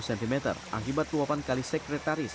seratus cm akibat luapan kali sekretaris